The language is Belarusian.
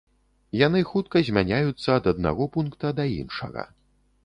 Яны хутка змяняюцца ад аднаго пункта да іншага.